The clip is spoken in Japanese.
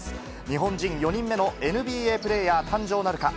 日本人４人目のＮＢＡプレーヤー誕生なるか。